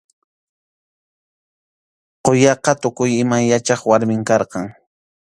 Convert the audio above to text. Quyaqa tukuy ima yachaq warmim karqan.